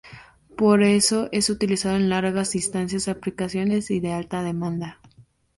Por eso es utilizado en largas distancias y aplicaciones de alta demanda.